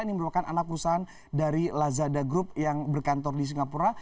ini merupakan anak perusahaan dari lazada group yang berkantor di singapura